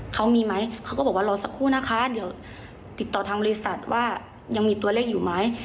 เขามีไหมเขาก็บอกว่ารอสักครู่นะคะเดี๋ยวติดต่อทางบริษัทว่ายังมีตัวเลขอยู่ไหม